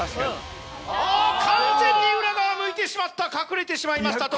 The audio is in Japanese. あっ完全に裏側向いてしまった隠れてしまいましたトロフィー。